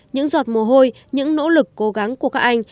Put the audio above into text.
những giọt mồ hôi những nỗ lực cố gắng của các anh